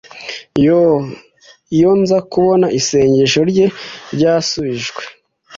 Yoo iyo nza kubona isengesho ryanjye ryashubijwe